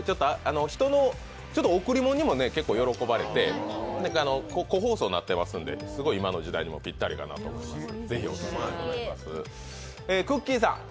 贈り物にもちょっと喜ばれて個包装になっていますのですごい今の時代にもぴったりかなと思います。